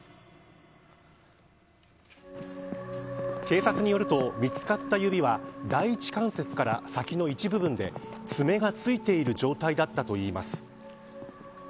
警察によると見つかった指は第一関節から先の一部分で爪が付いている状態だったといいます。